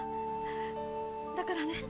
だからね